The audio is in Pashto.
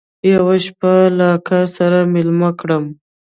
يوه شپه يې له اکا سره ميلمه کړم.